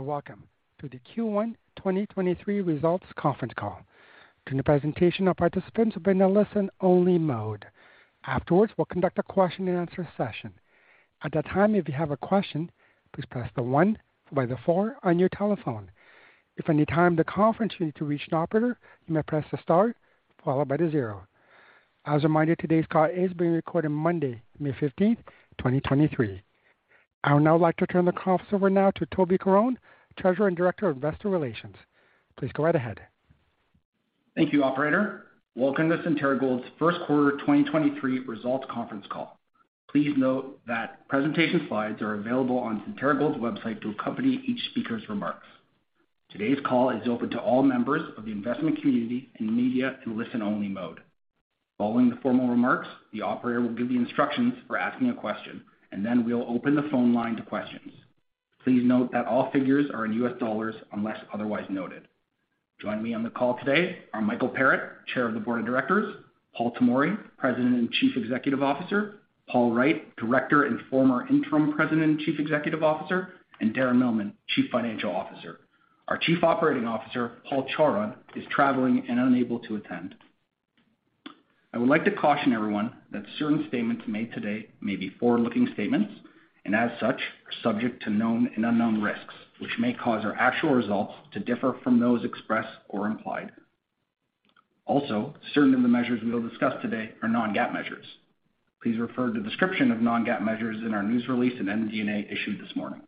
Welcome to the Q1 2023 Results Conference Call. During the presentation, all participants will be in a listen-only mode. Afterwards, we'll conduct a question-and-answer session. At that time, if you have a question, please press the one followed by the four on your telephone. If at any time during the conference you need to reach an operator, you may press the star followed by zero. As a reminder, today's call is being recorded Monday, May 15, 2023. I would now like to turn the conference over now to Toby Caron, Treasurer and Director of Investor Relations. Please go right ahead. Thank you, operator. Welcome to Centerra Gold's first quarter 2023 results conference call. Please note that presentation slides are available on Centerra Gold's website to accompany each speaker's remarks. Today's call is open to all members of the investment community and media in listen-only mode. Following the formal remarks, the operator will give the instructions for asking a question, and then we'll open the phone line to questions. Please note that all figures are in U.S. dollars unless otherwise noted. Joining me on the call today are Michael Parrett, Chair of the Board of Directors, Paul Tomory, President and Chief Executive Officer, Paul Wright, Director and former Interim President and Chief Executive Officer, and Darren Millman, Chief Financial Officer. Our Chief Operating Officer, Paul Chawrun, is traveling and unable to attend. I would like to caution everyone that certain statements made today may be forward-looking statements and as such are subject to known and unknown risks, which may cause our actual results to differ from those expressed or implied. Also, certain of the measures we will discuss today are non-GAAP measures. Please refer to the description of non-GAAP measures in our news release in MD&A issued this morning.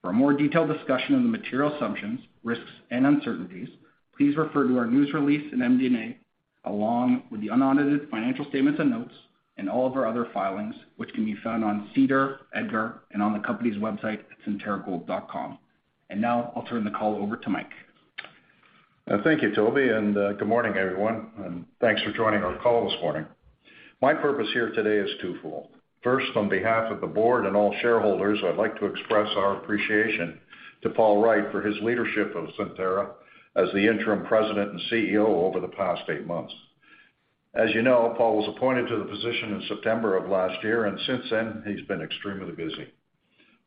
For a more detailed discussion of the material assumptions, risks, and uncertainties, please refer to our news release in MD&A along with the unaudited financial statements and notes and all of our other filings, which can be found on SEDAR+, EDGAR, and on the company's website at centerragold.com. Now I'll turn the call over to Mike. Thank you, Toby, and good morning, everyone. Thanks for joining our call this morning. My purpose here today is twofold. First, on behalf of the board and all shareholders, I'd like to express our appreciation to Paul Wright for his leadership of Centerra as the Interim President and CEO over the past eight months. As you know, Paul was appointed to the position in September of last year. Since then, he's been extremely busy.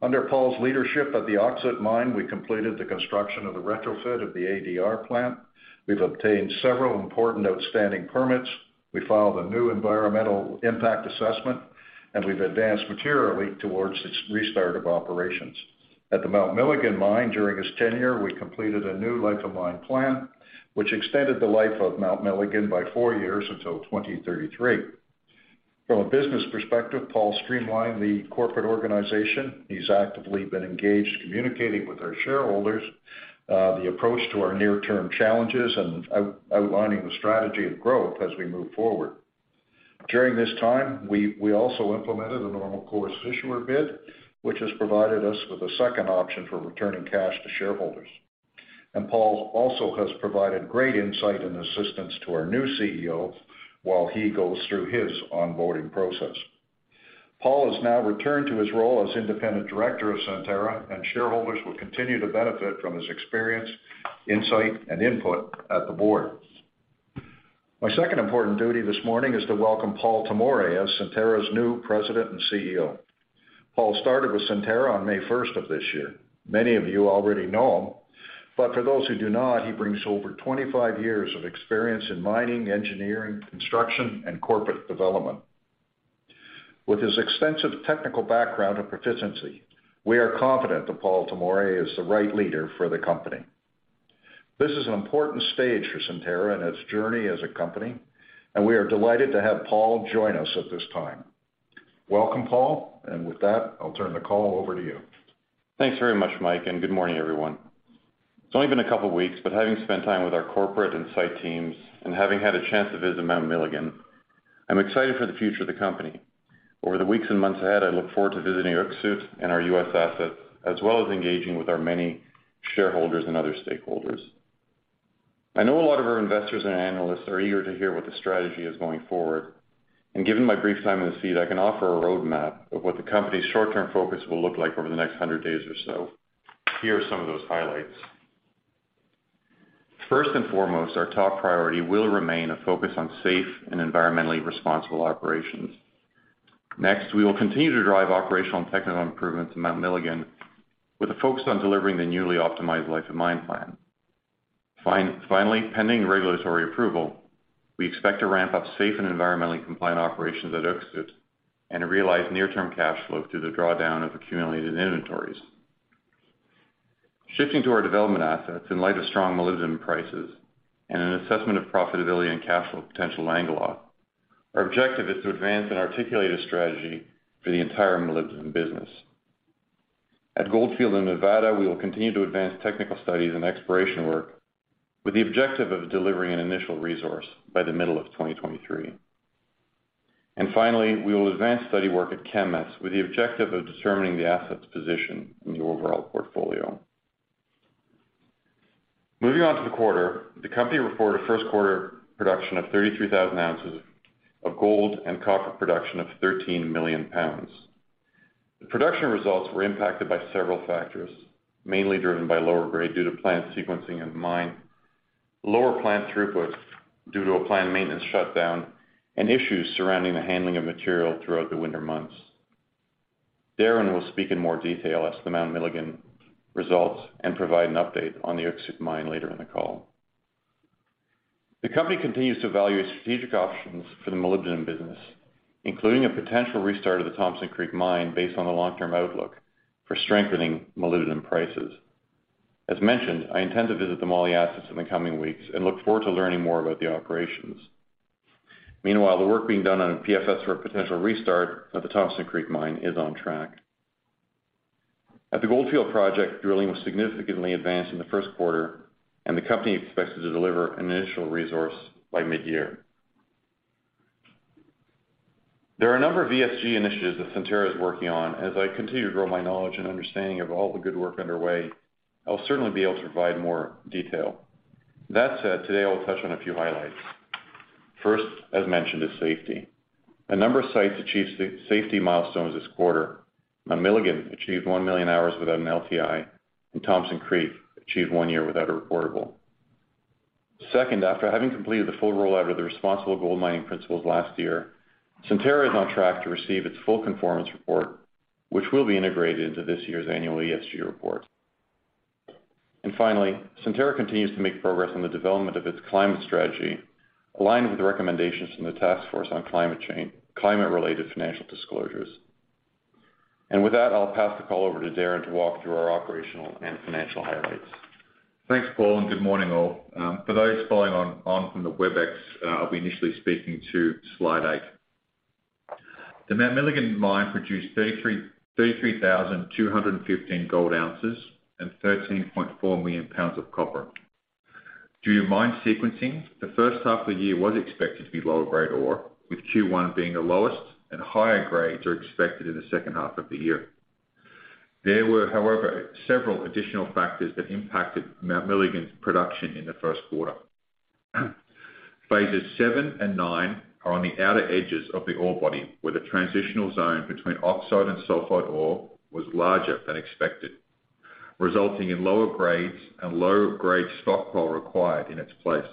Under Paul's leadership at the Öksüt Mine, we completed the construction of the retrofit of the ADR plant. We've obtained several important outstanding permits. We filed a new environmental impact assessment. We've advanced materially towards its restart of operations. At the Mount Milligan Mine during his tenure, we completed a new life of mine plan, which extended the life of Mount Milligan by four years until 2033. From a business perspective, Paul streamlined the corporate organization. He's actively been engaged, communicating with our shareholders, the approach to our near-term challenges, and outlining the strategy of growth as we move forward. During this time, we also implemented a normal course issuer bid, which has provided us with a second option for returning cash to shareholders. Paul also has provided great insight and assistance to our new CEO while he goes through his onboarding process. Paul has now returned to his role as independent director of Centerra, and shareholders will continue to benefit from his experience, insight, and input at the board. My second important duty this morning is to welcome Paul Tomory as Centerra's new President and CEO. Paul started with Centerra on May first of this year. Many of you already know him. For those who do not, he brings over 25 years of experience in mining, engineering, construction, and corporate development. With his extensive technical background and proficiency, we are confident that Paul Tomory is the right leader for the company. This is an important stage for Centerra and its journey as a company, and we are delighted to have Paul join us at this time. Welcome, Paul. With that, I'll turn the call over to you. Thanks very much, Mike. Good morning, everyone. It's only been a couple of weeks, but having spent time with our corporate and site teams and having had a chance to visit Mount Milligan, I'm excited for the future of the company. Over the weeks and months ahead, I look forward to visiting Öksüt and our U.S. assets, as well as engaging with our many shareholders and other stakeholders. I know a lot of our investors and analysts are eager to hear what the strategy is going forward. Given my brief time in the seat, I can offer a roadmap of what the company's short-term focus will look like over the next 100 days or so. Here are some of those highlights. First and foremost, our top priority will remain a focus on safe and environmentally responsible operations. Next, we will continue to drive operational and technical improvements in Mount Milligan with a focus on delivering the newly optimized life of mine plan. Finally, pending regulatory approval, we expect to ramp up safe and environmentally compliant operations at Öksüt and to realize near-term cash flow through the drawdown of accumulated inventories. Shifting to our development assets in light of strong molybdenum prices and an assessment of profitability and cash flow potential Langeloth, our objective is to advance an articulated strategy for the entire molybdenum business. At Goldfield in Nevada, we will continue to advance technical studies and exploration work with the objective of delivering an initial resource by the middle of 2023. Finally, we will advance study work at Kemess with the objective of determining the asset's position in the overall portfolio. Moving on to the quarter, the company reported first quarter production of 33,000 oz of gold and copper production of 13 million pounds. The production results were impacted by several factors, mainly driven by lower grade due to plant sequencing and mine. Lower plant throughput due to a planned maintenance shutdown and issues surrounding the handling of material throughout the winter months. Darren will speak in more detail as to Mount Milligan results and provide an update on the Öksüt Mine later in the call. The company continues to evaluate strategic options for the molybdenum business, including a potential restart of the Thompson Creek Mine based on the long-term outlook for strengthening molybdenum prices. As mentioned, I intend to visit the moly assets in the coming weeks and look forward to learning more about the operations. Meanwhile, the work being done on a PFS for a potential restart of the Thompson Creek Mine is on track. At the Goldfield Project, drilling was significantly advanced in the first quarter. The company expects to deliver an initial resource by mid-year. There are a number of ESG initiatives that Centerra is working on. As I continue to grow my knowledge and understanding of all the good work underway, I'll certainly be able to provide more detail. That said, today I will touch on a few highlights. First, as mentioned, is safety. A number of sites achieved safety milestones this quarter. Mount Milligan achieved 1 million hours without an LTI. Thompson Creek achieved one year without a reportable. Second, after having completed the full rollout of the Responsible Gold Mining Principles last year, Centerra is on track to receive its full conformance report, which will be integrated into this year's annual ESG report. Finally, Centerra continues to make progress on the development of its climate strategy, aligned with the recommendations from the Task Force on climate change, Climate-related Financial Disclosures. With that, I'll pass the call over to Darren to walk through our operational and financial highlights. Thanks, Paul, and good morning, all. For those following on from the Webex, I'll be initially speaking to slide eight. The Mount Milligan Mine produced 33,215 gold ounces and 13.4 million pounds of copper. Due to mine sequencing, the first half of the year was expected to be lower-grade ore, with Q1 being the lowest and higher grades are expected in the second half of the year. There were, however, several additional factors that impacted Mount Milligan's production in the first quarter. Phase 7 and 9 are on the outer edges of the ore body, where the transitional zone between oxide and sulfide ore was larger than expected, resulting in lower grades and lower grade stockpile required in its place.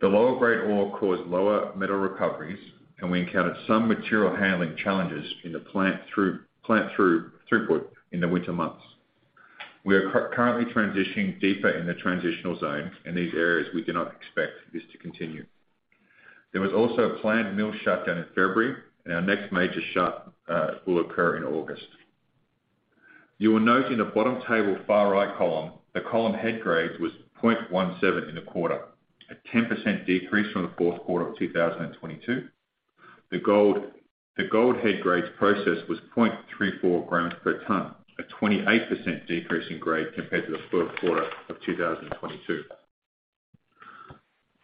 The lower grade ore caused lower metal recoveries, and we encountered some material handling challenges in the plant throughput in the winter months. We are currently transitioning deeper in the transitional zone. In these areas, we do not expect this to continue. There was also a planned mill shutdown in February, and our next major shut will occur in August. You will note in the bottom table, far right column, the column head grades was 0.17 in the quarter, a 10% decrease from the fourth quarter of 2022. The gold head grades processed was 0.34 g/t, a 28% decrease in grade compared to the fourth quarter of 2022.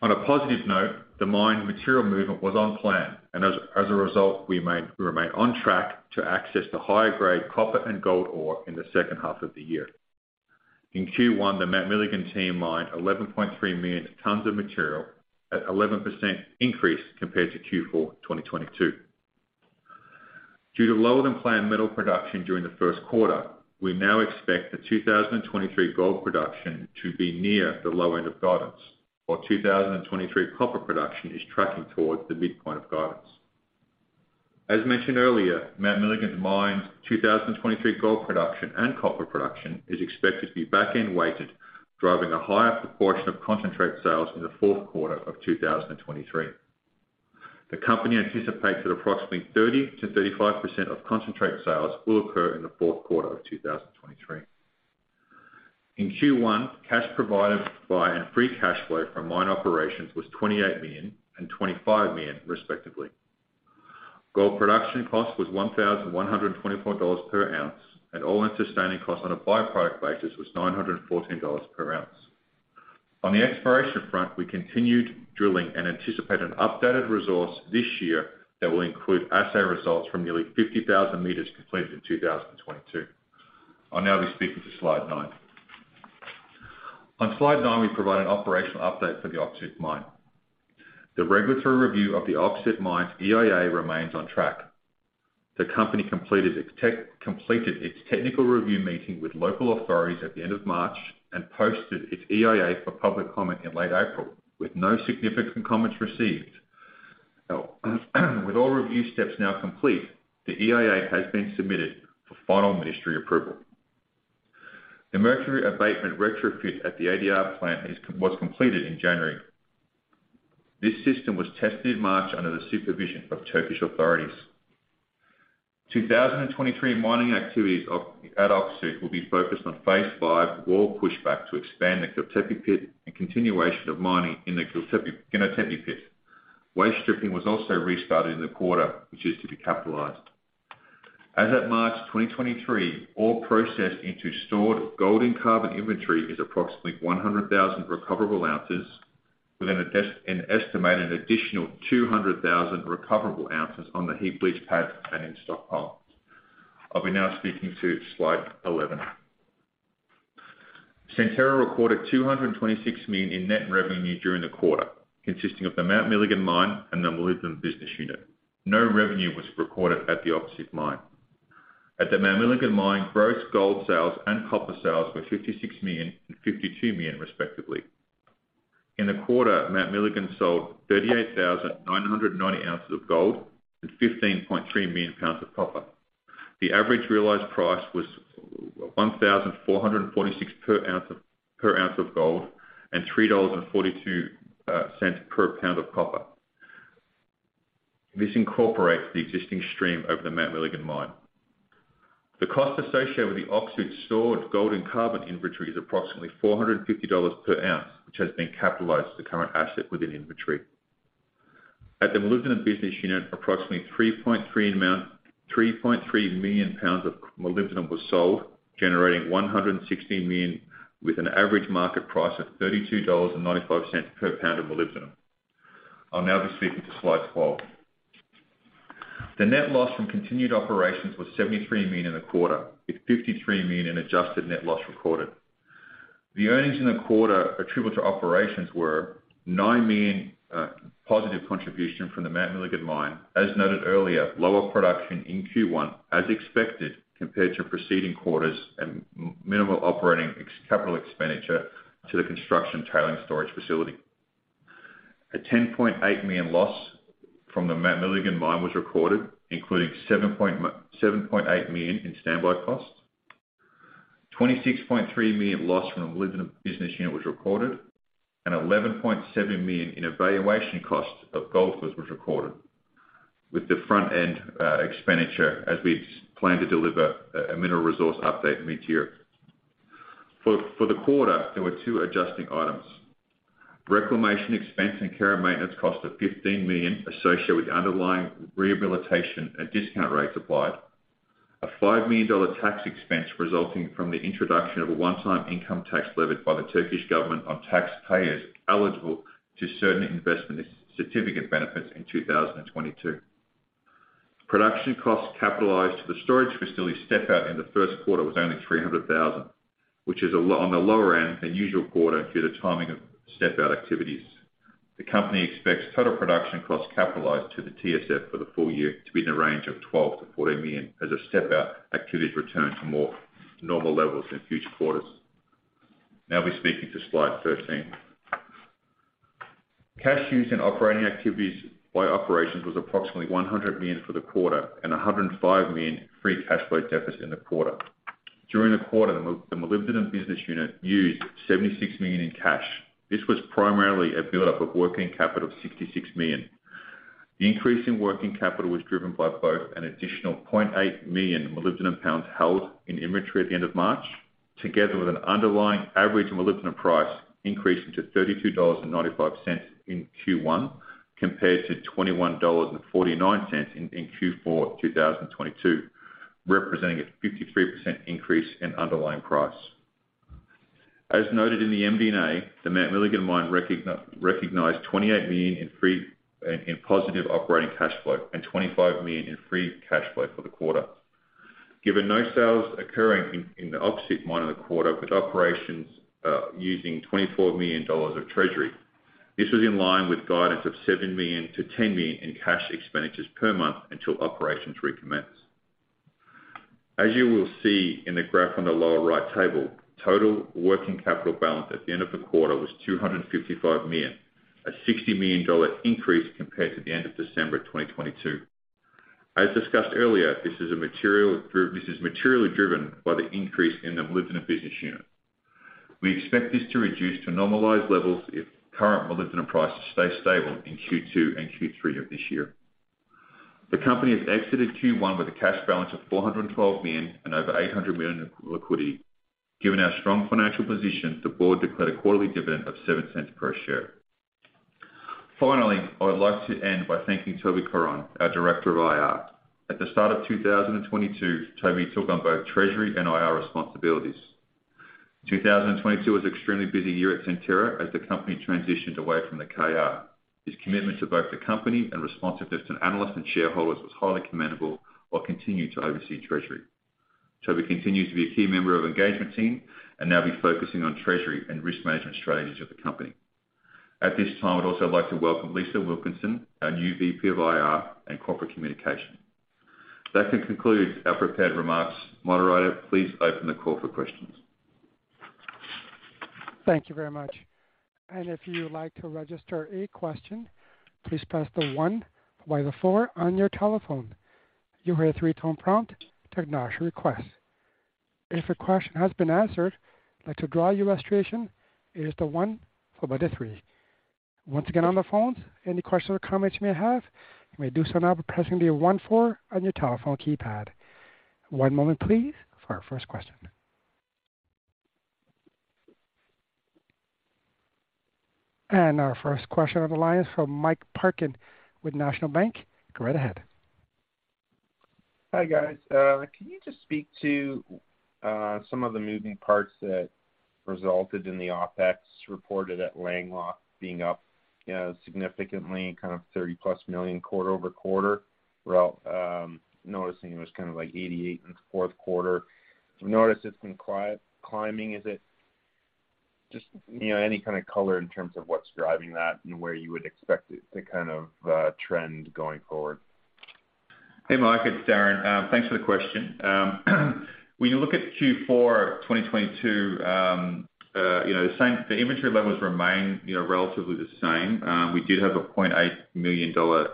On a positive note, the mine material movement was on plan, as a result, we remain on track to access the higher grade copper and gold ore in the second half of the year. In Q1, the Mount Milligan team mined 11.3 million tons of material at 11% increase compared to Q4 of 2022. Due to lower-than-planned metal production during the first quarter, we now expect the 2023 gold production to be near the low end of guidance while 2023 copper production is tracking towards the midpoint of guidance. As mentioned earlier, Mount Milligan Mine's 2023 gold production and copper production is expected to be back-end weighted, driving a higher proportion of concentrate sales in the fourth quarter of 2023. The company anticipates that approximately 30%-35% of concentrate sales will occur in the fourth quarter of 2023. In Q1, cash provided by and free cash flow from mine operations was $28 million and $25 million, respectively. Gold production cost was $1,124 per ounce, and all-in sustaining costs on a by-product basis was $914 per ounce. On the exploration front, we continued drilling and anticipate an updated resource this year that will include assay results from nearly 50,000 m completed in 2022. I'll now be speaking to slide nine. On slide nine, we provide an operational update for the Öksüt Mine. The regulatory review of the Öksüt Mine's EIA remains on track. The company completed its technical review meeting with local authorities at the end of March and posted its EIA for public comment in late April, with no significant comments received. With all review steps now complete, the EIA has been submitted for final ministry approval. The mercury abatement retrofit at the ADR plant was completed in January. This system was tested in March under the supervision of Turkish authorities. 2023 mining activities at Öksüt will be focused on Phase 5 wall pushback to expand the Keltepe pit and continuation of mining in the Keltepe pit. Waste stripping was also restarted in the quarter, which is to be capitalized. As at March 2023, ore processed into stored gold and carbon inventory is approximately 100,000 recoverable ounces with an estimated additional 200,000 recoverable ounces on the heap leach pad and in stockpile. I'll be now speaking to slide 11. Centerra recorded $226 million in net revenue during the quarter, consisting of the Mount Milligan Mine and the Molybdenum Business Unit. No revenue was recorded at the Öksüt Mine. At the Mount Milligan Mine, gross gold sales and copper sales were $56 million and $52 million respectively. In the quarter, Mount Milligan sold 38,990 oz of gold and 15.3 million pounds of copper. The average realized price was $1,446 per ounce of gold and $3.42 per pound of copper. This incorporates the existing stream over the Mount Milligan Mine. The cost associated with the oxide stored gold and carbon inventory is approximately $450 per ounce, which has been capitalized to current asset within inventory. At the Molybdenum Business Unit, approximately 3.3 million pounds of molybdenum was sold, generating $116 million, with an average market price of $32.95 per pound of molybdenum. I'll now be speaking to slide 12. The net loss from continued operations was $73 million in the quarter, with $53 million in adjusted net loss recorded. The earnings in the quarter attributable to operations were $9 million, positive contribution from the Mount Milligan Mine. As noted earlier, lower production in Q1 as expected compared to preceding quarters and minimal operating capital expenditure to the construction tailing storage facility. A $10.8 million loss from the Mount Milligan Mine was recorded, including $7.8 million in standby costs. $26.3 million loss from the Molybdenum Business Unit was recorded. $11.7 million in evaluation costs of gold was recorded with the front-end expenditure as we plan to deliver a mineral resource update mid-tier. For the quarter, there were two adjusting items. Reclamation expense and care and maintenance cost of $15 million associated with the underlying rehabilitation at discount rates applied. A $5 million tax expense resulting from the introduction of a one-time income tax levied by the Turkish government on taxpayers eligible to certain investment certificate benefits in 2022. Production costs capitalized to the storage facility step out in the first quarter was only $300,000, which is on the lower end than usual quarter due to timing of step-out activities. The company expects total production costs capitalized to the TSF for the full year to be in the range of $12 million-$14 million as the step-out activities return to more normal levels in future quarters. We're speaking to slide 13. Cash used in operating activities by operations was approximately $100 million for the quarter and $105 million free cash flow deficit in the quarter. During the quarter, the Molybdenum Business Unit used $76 million in cash. This was primarily a buildup of working capital of $66 million. The increase in working capital was driven by both an additional 0.8 million molybdenum pounds held in inventory at the end of March, together with an underlying average molybdenum price increasing to $32.95 in Q1 compared to $21.49 in Q4 2022, representing a 53% increase in underlying price. As noted in the MD&A, the Mount Milligan Mine recognized $28 million in positive operating cash flow and $25 million in free cash flow for the quarter. Given no sales occurring in the oxide mine in the quarter, with operations using $24 million of treasury. This was in line with guidance of $7 million-$10 million in cash expenditures per month until operations recommence. As you will see in the graph on the lower right table, total working capital balance at the end of the quarter was $255 million, a $60 million increase compared to the end of December 2022. As discussed earlier, this is materially driven by the increase in the Molybdenum Business Unit. We expect this to reduce to normalized levels if current molybdenum prices stay stable in Q2 and Q3 of this year. The company has exited Q1 with a cash balance of $412 million and over $800 million in liquidity. Given our strong financial position, the board declared a quarterly dividend of $0.07 per share. I would like to end by thanking Toby Caron, our Director of IR. At the start of 2022, Toby took on both treasury and IR responsibilities. 2022 was extremely busy year at Centerra as the company transitioned away from the KR. His commitment to both the company and responsiveness to analysts and shareholders was highly commendable while continuing to oversee treasury. Toby continues to be a key member of engagement team and now be focusing on treasury and risk management strategies of the company. At this time, I'd also like to welcome Lisa Wilkinson, our new VP of IR and Corporate Communications. That concludes our prepared remarks. Moderator, please open the call for questions. Thank you very much. If you would like to register a question, please press the one by the four on your telephone. You'll hear a three-tone prompt to acknowledge your request. If a question has been answered, like to draw your illustration, it is the one followed by the three. Once again, on the phones, any questions or comments you may have, you may do so now by pressing the one four on your telephone keypad. One moment, please, for our first question. Our first question on the line is from Mike Parkin with National Bank. Go right ahead. Hi, guys. Can you just speak to some of the moving parts that resulted in the OpEx reported at Langeloth being up, you know, significantly, kind of $30+ million quarter-over-quarter? While noticing it was kind of like $88 in the fourth quarter. I've noticed it's been climbing. Is it? Just, you know, any kind of color in terms of what's driving that and where you would expect it to kind of, trend going forward. Hey, Mark, it's Darren. Thanks for the question. When you look at Q4 2022, you know, the inventory levels remain, you know, relatively the same. We did have a $0.8 million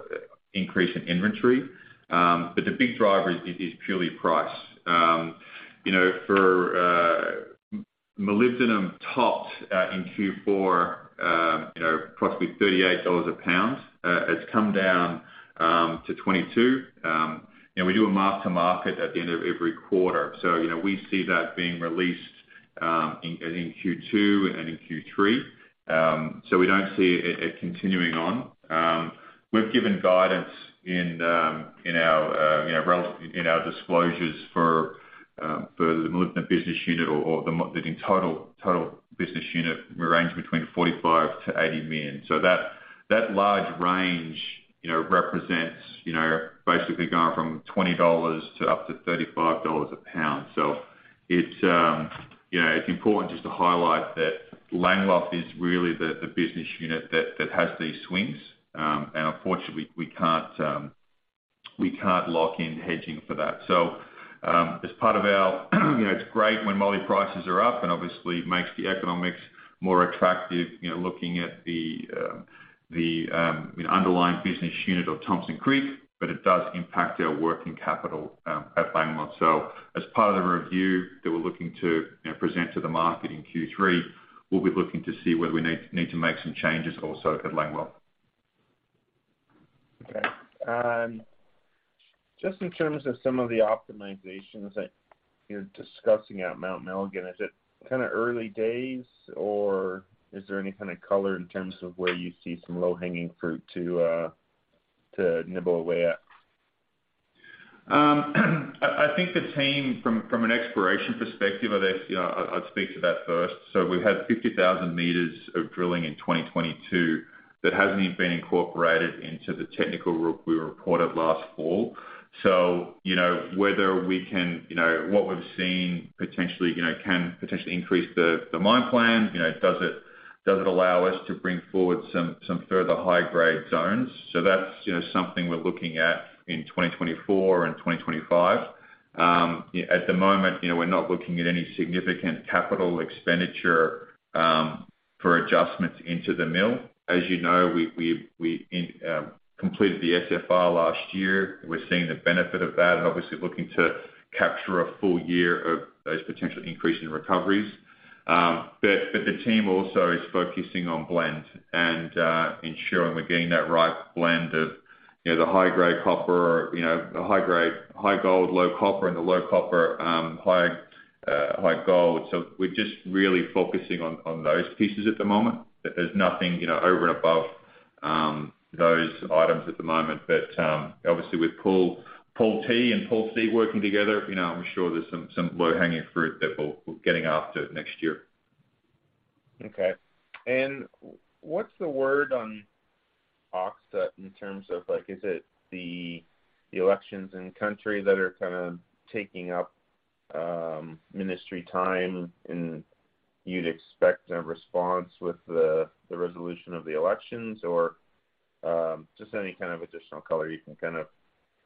increase in inventory. The big driver is purely price. You know, for molybdenum topped in Q4, you know, approximately $38 a pound. It's come down to $22. You know, we do a mark-to-market at the end of every quarter. You know, we see that being released in Q2 and in Q3. We don't see it continuing on. We've given guidance in our disclosures for the Molybdenum Business Unit or the total business unit range between $45 million-$80 million. That large range, you know, represents, you know, basically going from $20 to up to $35 a pound. It's, you know, it's important just to highlight that Langeloth is really the business unit that has these swings. Unfortunately, we can't lock in hedging for that. As part of our, you know, it's great when moly prices are up and obviously makes the economics more attractive, you know, looking at the underlying business unit of Thompson Creek, but it does impact our working capital at Langeloth. As part of the review that we're looking to, you know, present to the market in Q3, we'll be looking to see whether we need to make some changes also at Langeloth. Okay. Just in terms of some of the optimizations that you're discussing at Mount Milligan, is it kinda early days, or is there any kind of color in terms of where you see some low-hanging fruit to nibble away at? I think the team from an exploration perspective, I'd actually speak to that first. We had 50,000 m of drilling in 2022 that hasn't even been incorporated into the technical we reported last fall. You know, what we've seen potentially, you know, can potentially increase the mine plan. You know, does it, does it allow us to bring forward some further high-grade zones? That's, you know, something we're looking at in 2024 and 2025. At the moment, you know, we're not looking at any significant capital expenditure for adjustments into the mill. As you know, we completed the SFR last year. We're seeing the benefit of that and obviously looking to capture a full year of those potential increase in recoveries. The team also is focusing on blend and ensuring we're getting that right blend of, you know, the high-grade copper, you know, the high grade, high gold, low copper, and the low copper, high, high gold. We're just really focusing on those pieces at the moment. There's nothing, you know, over and above those items at the moment. Obviously with Paul T and Paul C working together, you know, I'm sure there's some low-hanging fruit that we're getting after next year. Okay. What's the word on Öksüt in terms of, like, is it the elections in country that are kind of taking up, ministry time, and you'd expect a response with the resolution of the elections? Or, just any kind of additional color you can kind of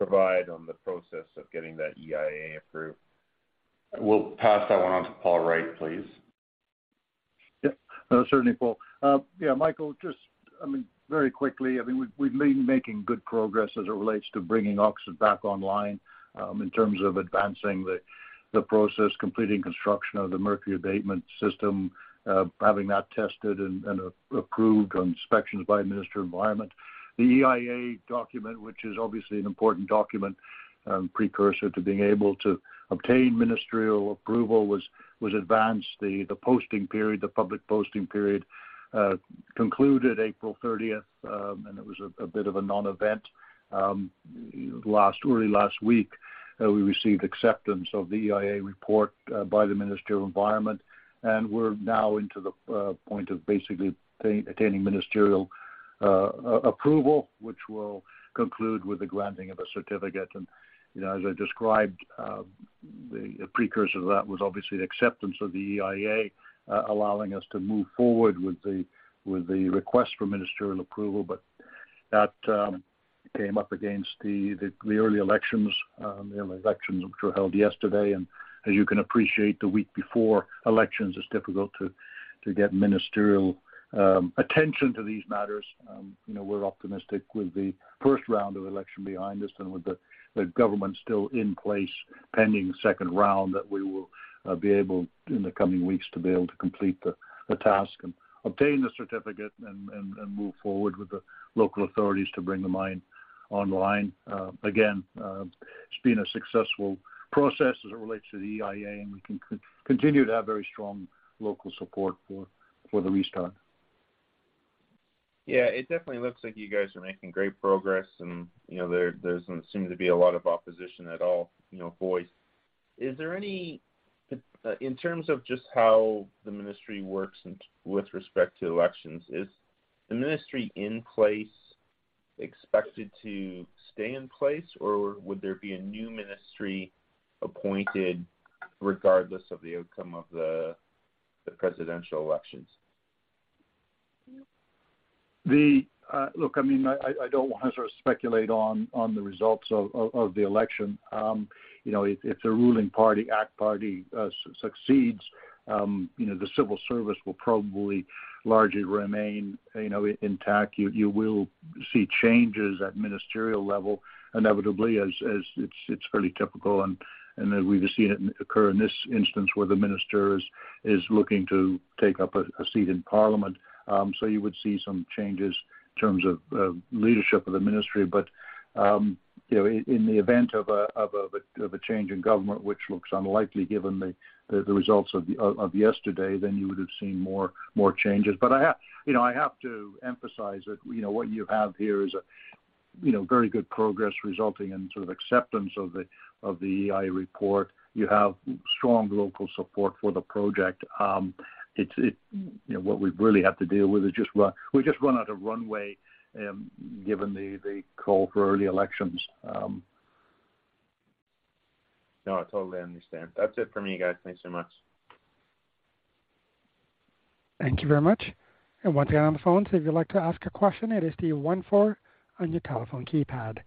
provide on the process of getting that EIA approved? We'll pass that one on to Paul Wright, please. Yeah. No, certainly, Paul. Yeah, Michael, just, I mean, very quickly, I mean, we've been making good progress as it relates to bringing Öksüt back online, in terms of advancing the process, completing construction of the mercury abatement system, having that tested and approved on inspections by Minister of Environment. The EIA document, which is obviously an important document, precursor to being able to obtain ministerial approval, was advanced. The posting period, the public posting period, concluded April 30th. It was a bit of a non-event. Last, early last week, we received acceptance of the EIA report by the Minister of Environment, and we're now into the point of basically attaining ministerial approval, which will conclude with the granting of a certificate. You know, as I described, the precursor to that was obviously the acceptance of the EIA, allowing us to move forward with the request for ministerial approval. That came up against the early elections which were held yesterday. As you can appreciate, the week before elections, it's difficult to get ministerial attention to these matters. You know, we're optimistic with the first round of election behind us and with the government still in place pending second round, that we will be able, in the coming weeks, to be able to complete the task and obtain the certificate and move forward with the local authorities to bring the mine online. Again, it's been a successful process as it relates to the EIA, and we continue to have very strong local support for the restart. Yeah. It definitely looks like you guys are making great progress, and, you know, there doesn't seem to be a lot of opposition at all, you know, voiced. Is there any... in terms of just how the ministry works in, with respect to elections, is the ministry in place expected to stay in place or would there be a new ministry appointed regardless of the outcome of the presidential elections? Look, I mean, I don't wanna sort of speculate on the results of the election. You know, if the ruling party, AK Party, succeeds, you know, the civil service will probably largely remain, you know, intact. You will see changes at ministerial level inevitably as it's fairly typical and as we've seen it occur in this instance where the minister is looking to take up a seat in parliament. You would see some changes in terms of leadership of the ministry. You know, in the event of a change in government, which looks unlikely given the results of yesterday, you would've seen more changes. I have, you know, I have to emphasize that, you know, what you have here is a, you know, very good progress resulting in sort of acceptance of the, of the EI report. You have strong local support for the project. You know, what we really have to deal with is we just run out of runway, given the call for early elections. No, I totally understand. That's it for me, guys. Thanks so much. Thank you very much. Once again, on the phone, so if you'd like to ask a question, it is the one four on your telephone keypad.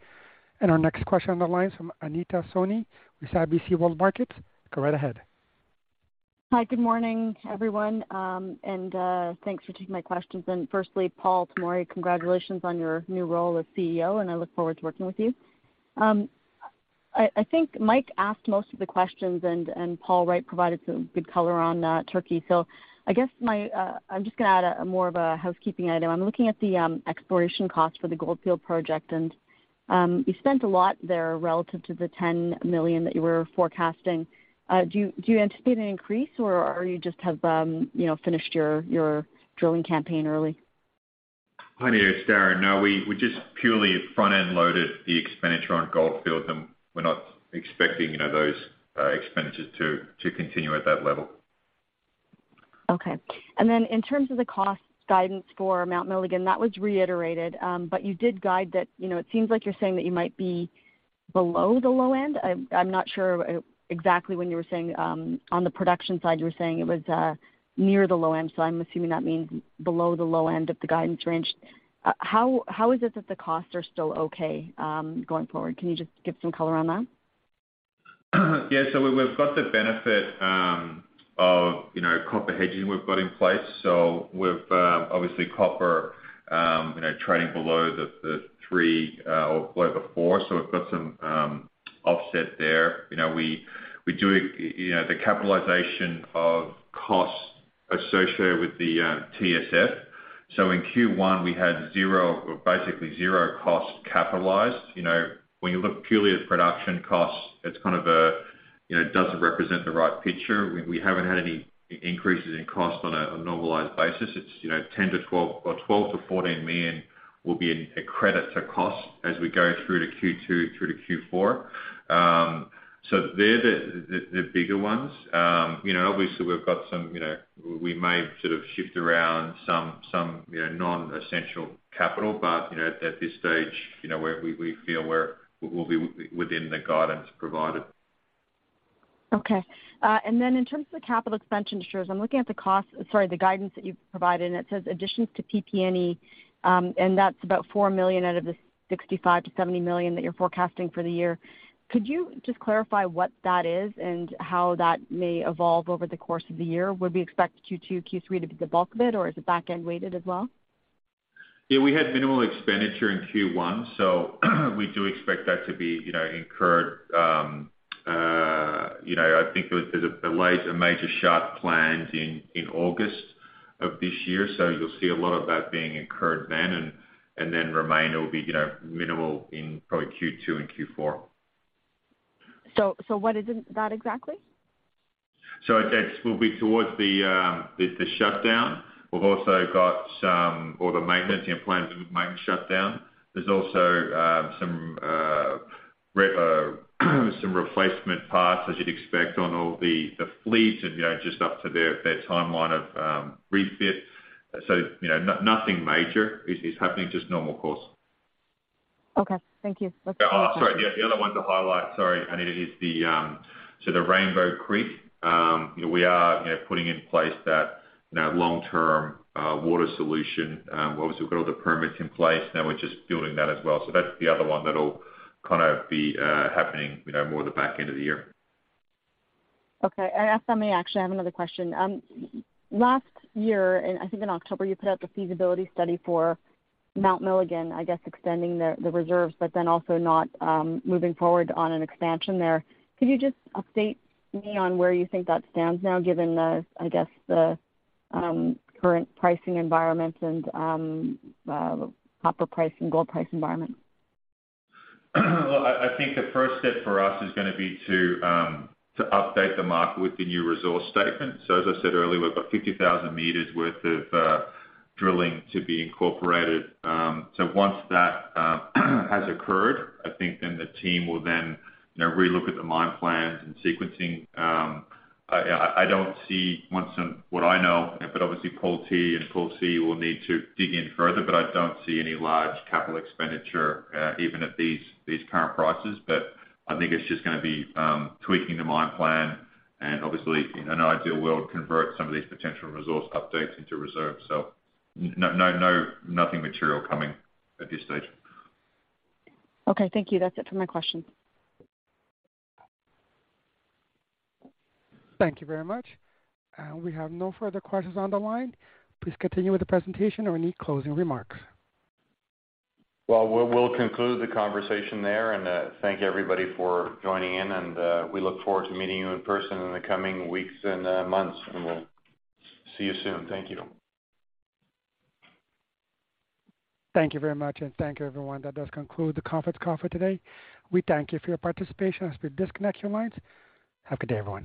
Our next question on the line from Anita Soni with RBC Capital Markets. Go right ahead. Hi, good morning, everyone. Thanks for taking my questions. Firstly, Paul Tomory, congratulations on your new role as CEO, and I look forward to working with you. I think Mike asked most of the questions and Paul Wright provided some good color on Türkiye. I guess my, I'm just gonna add more of a housekeeping item. I'm looking at the exploration cost for the Goldfield Project, you spent a lot there relative to the $10 million that you were forecasting. Do you anticipate an increase or you just have, you know, finished your drilling campaign early? Hi there, it's Darren. No, we just purely front-end loaded the expenditure on Goldfield, and we're not expecting, you know, those expenditures to continue at that level. Okay. In terms of the cost guidance for Mount Milligan, that was reiterated. You did guide that, you know, it seems like you're saying that you might be below the low end. I'm not sure exactly when you were saying, on the production side, you were saying it was near the low end, so I'm assuming that means below the low end of the guidance range. How is it that the costs are still okay, going forward? Can you just give some color on that? We, we've got the benefit of, you know, copper hedging we've got in place. With, obviously copper, you know, trading below the three or below the four, so we've got some offset there. You know, we do, you know, the capitalization of costs associated with the TSF. In Q1, we had zero, basically zero costs capitalized. You know, when you look purely at production costs, it's kind of a, you know, doesn't represent the right picture. We, we haven't had any increases in cost on a normalized basis. It's, you know, $10 million-$12 million or $12 million-$14 million will be in a credit to cost as we go through to Q2 through to Q4. They're the bigger ones. You know, obviously we've got some, you know, we may sort of shift around some, you know, non-essential capital. you know, at this stage, you know, we feel we'll be within the guidance provided. Okay. In terms of the capital expenditure, as I'm looking at the cost, sorry, the guidance that you've provided, and it says additions to PP&E, and that's about $4 million out of the $65 million-$70 million that you're forecasting for the year. Could you just clarify what that is and how that may evolve over the course of the year? Would we expect Q2, Q3 to be the bulk of it, or is it back-end weighted as well? We had minimal expenditure in Q1, so we do expect that to be, you know, incurred. You know, I think there's a major shaft planned in August of this year, so you'll see a lot of that being incurred then. Then remainder will be, you know, minimal in probably Q2 and Q4. what is it, that exactly? That will be towards the shutdown. We've also got some all the maintenance, you know, planned maintenance shutdown. There's also, some replacement parts as you'd expect on all the fleets and, you know, just up to their timeline of refit. You know, nothing major is happening, just normal course. Okay, thank you. Oh, sorry. The, the other one to highlight, sorry, Anita, is the Rainbow Creek. We are, you know, putting in place that, you know, long-term water solution. Obviously we've got all the permits in place, now we're just building that as well. That's the other one that'll kind of be happening, you know, more the back end of the year. Okay. If I may actually, I have another question. Last year, I think in October, you put out the feasibility study for Mount Milligan, I guess, extending the reserves, also not moving forward on an expansion there. Could you just update me on where you think that stands now, given the, I guess the, current pricing environment and, copper price and gold price environment? I think the first step for us is gonna be to update the market with the new resource statement. As I said earlier, we've got 50,000 m worth of drilling to be incorporated. Once that has occurred, I think then the team will then, you know, relook at the mine plans and sequencing. I don't see, but obviously Paul Tomory and Paul Chawrun will need to dig in further, but I don't see any large capital expenditure even at these current prices. I think it's just gonna be tweaking the mine plan and obviously, in an ideal world, convert some of these potential resource updates into reserves. No, nothing material coming at this stage. Okay, thank you. That's it for my questions. Thank you very much. We have no further questions on the line. Please continue with the presentation or any closing remarks. Well, we'll conclude the conversation there. Thank you everybody for joining in. We look forward to meeting you in person in the coming weeks and months. We'll see you soon. Thank you. Thank you very much, and thank you everyone. That does conclude the conference call for today. We thank you for your participation as we disconnect your lines. Have a good day, everyone.